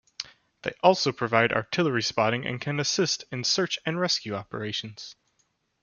They also provide artillery spotting and can assist in search and rescue operations.